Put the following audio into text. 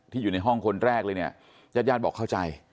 ที่อยู่ในห้องคนแรกเลยเนี่ยยาดบอกเข้าใจ